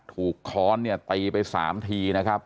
ถูกค้อนตีไป๓ทีนะครับ